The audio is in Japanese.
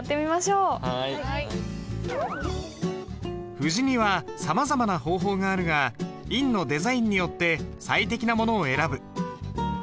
布字にはさまざまな方法があるが印のデザインによって最適なものを選ぶ。